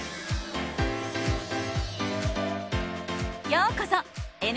ようこそ！